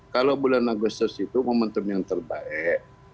kalau bulan agustus itu momentum yang terbaik